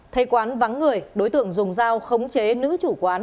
thấy quán vắng người đối tượng dùng dao khống chế nữ chủ quán